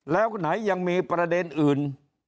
แล้วไหนยังมีประเด็นอื่น